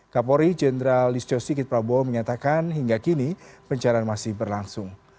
kapolri jenderal listio sikit prabowo menyatakan hingga kini pencarian masih berlangsung